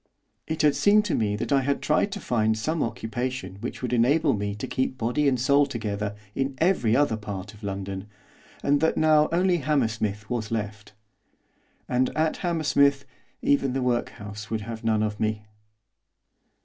It had seemed to me that I had tried to find some occupation which would enable me to keep body and soul together in every other part of London, and that now only Hammersmith was left. And, at Hammersmith, even the workhouse would have none of me!